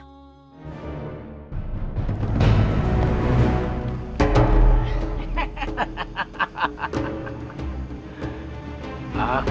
aku akan membiarkanmu mati di tangan bardah